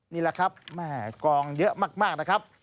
นี่แหละครับแม่กองเยอะมากนะครับ